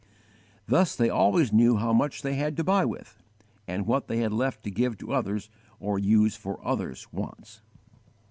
Thus they always knew how much they had to buy with, and what they had left to give to others or use for others' wants.